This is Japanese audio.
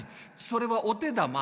それはお手玉。